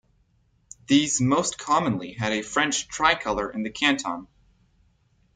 These most commonly had a French Tricolour in the canton.